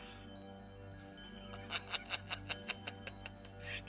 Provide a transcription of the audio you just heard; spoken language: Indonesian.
hahaha gak bisa lah ya pakji